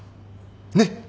ねっ？